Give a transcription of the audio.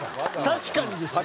確かにですよ。